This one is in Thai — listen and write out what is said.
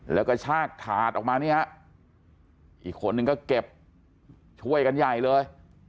แล้วก็ชากถาดออกมาเนี่ยฮะอีกคนนึงก็เก็บช่วยกันใหญ่เลย